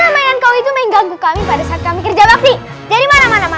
mainan kau itu mengganggu kami pada saat kami kerja waktu jadi mana mana